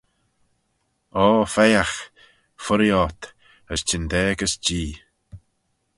O pheccagh, fuirree ort, as çhyndaa gys Jee.